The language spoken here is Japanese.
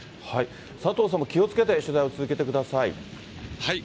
佐藤さんも気をつけて取材を続けてください。